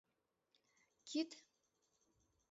Кид?